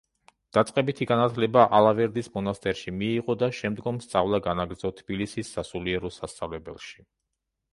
დაწყებითი განათლება ალავერდის მონასტერში მიიღო და შემდგომ სწავლა განაგრძო თბილისის სასულიერო სასწავლებელში.